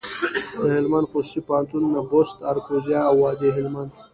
دهلمند خصوصي پوهنتونونه، بُست، اراکوزیا او وادي هلمند.